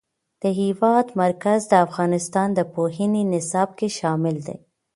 د هېواد مرکز د افغانستان د پوهنې نصاب کې شامل دي.